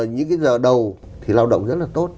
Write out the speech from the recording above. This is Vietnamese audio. những cái giờ đầu thì lao động rất là tốt